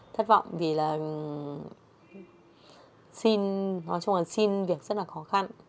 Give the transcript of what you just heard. thất vọng vì là xin nói chung là xin việc rất là khó khăn